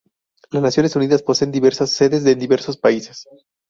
Las Naciones Unidas poseen diversas sedes en diversos países.